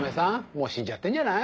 もう死んじゃってんじゃない？